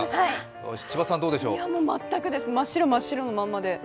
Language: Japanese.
全くです、真っ白、真っ白のまんまで。